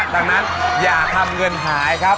ดังนั้นอย่าทำเงินหายครับ